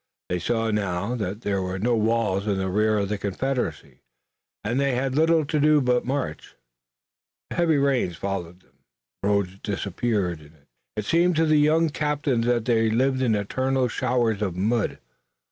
They saw now that there were no walls in the rear of the Confederacy and they had little to do but march. The heavy rains followed them, roads disappeared, and it seemed to the young captains that they lived in eternal showers of mud.